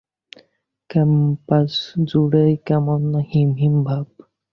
ক্যাম্পাসজুড়েই কেমন হিমহিম ভাব।